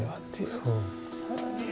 そう。